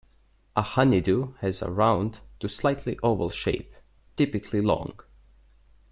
A honeydew has a round to slightly oval shape, typically long.